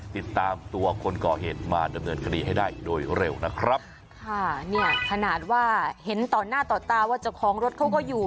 ติดตามตัวคนก่อเหตุมาดำเนินคดีให้ได้โดยเร็วนะครับค่ะเนี่ยขนาดว่าเห็นต่อหน้าต่อตาว่าเจ้าของรถเขาก็อยู่